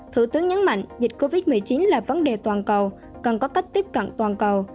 thủ tướng nhấn mạnh dịch covid một mươi chín là vấn đề toàn cầu cần có cách tiếp cận toàn cầu